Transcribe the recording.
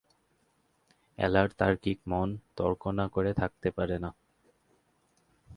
এলার তার্কিক মন, তর্ক না করে থাকতে পারে না।